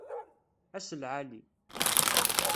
Ass lɛali!